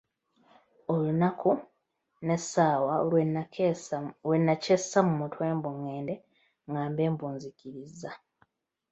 Olunaku n’essaawa lwe nakyessa mu mutwe mbu ngende ngambe mbu “nzikirizza”!